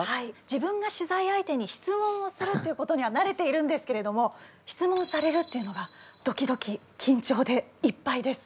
自分が取材相手に質問をするっていうことにはなれているんですけれども質問されるっていうのがドキドキきんちょうでいっぱいです。